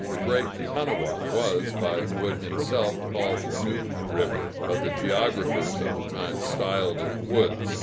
The Great Kanawha was, by Wood himself, called New River, but the geographers of the time styled it Wood's.